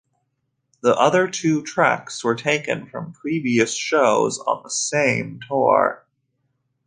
The other two tracks were taken from previous shows on the same tour.